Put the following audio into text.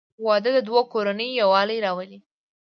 • واده د دوه کورنیو یووالی راولي.